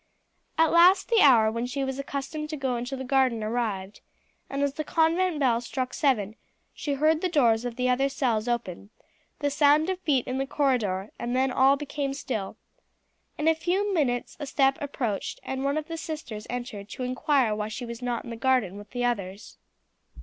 At last the hour when she was accustomed to go into the garden arrived, and as the convent bell struck seven she heard the doors of the other cells open, the sound of feet in the corridor, and then all became still. In a few minutes a step approached, and one of the sisters entered to inquire why she was not in the garden with the others.